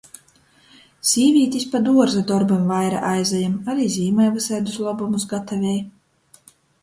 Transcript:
Sīvītis pa duorza dorbim vaira aizajam, ari zīmai vysaidus lobumus gatavej.